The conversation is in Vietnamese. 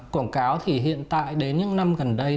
quảng cáo thì hiện tại đến những năm gần đây